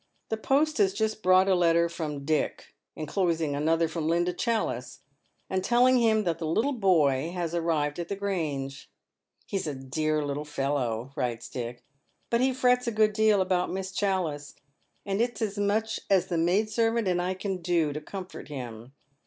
The post has just brought a letter from Dick, enclosing another fi om Linda Challice, and telling him that the little boy has arrived at the Grange. " He's a dear little fellow," writes Dick, " but he frets a good deal about Miss Challice, and it's as much as the maid servanf and I can do to comfort him.